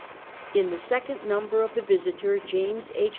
In the second number of the Visiter, James H.